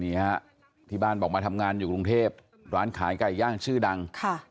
นี่ฮะที่บ้านบอกมาทำงานอยู่กรุงเทพร้านขายไก่ย่างชื่อดัง